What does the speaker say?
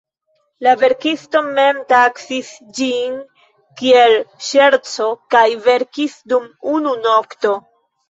La verkisto mem taksis ĝin kiel "ŝerco" kaj verkis dum unu nokto.